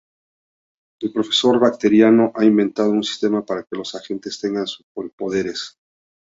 El profesor Bacterio ha inventado un sistema para que los agentes tengan superpoderes.